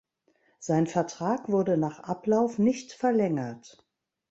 Sein Vertrag wurde nach Ablauf nicht verlängert.